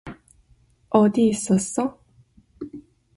어디 있었어?